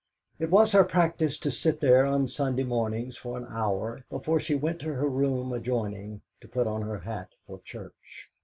It was her practice to sit there on Sunday mornings for an hour before she went to her room adjoining to put on her hat for church.